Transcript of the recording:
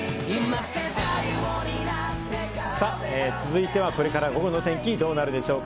続いては、これから午後のお天気、どうなるでしょうか。